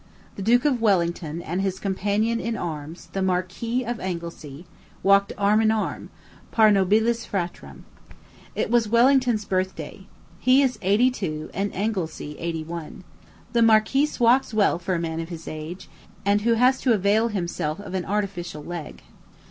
The Duke of Wellington, and his companion in arms, the Marquis of Anglesea, walked arm in arm, "par nobilis fratrum." It was Wellington's birthday. He is eighty two, and Anglesea eighty one. The Marquis walks well for a man of his age, and who has to avail himself of an artificial leg.